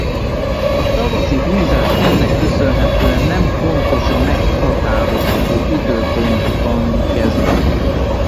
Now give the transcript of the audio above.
A tavaszi húzás ennek köszönhetően nem pontosan meghatározható időpontban kezdődik.